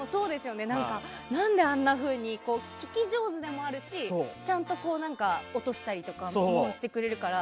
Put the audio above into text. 何であんなふうに聞き上手でもあるしちゃんと落としたりとかも適応してくれるから。